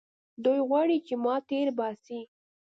دوى غواړي چې ما تېر باسي.